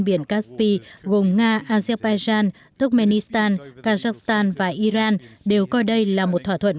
biển kaspi gồm nga azerbaijan turkmenistan kazakhstan và iran đều coi đây là một thỏa thuận